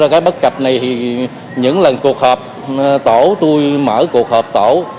cái bất cập này thì những lần cuộc họp tổ tôi mở cuộc họp tổ